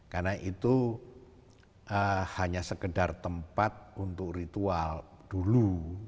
karena itu hanya sekedar tempat untuk ritual dulu